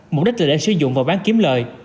mục đích là để sử dụng và bán kiếm lời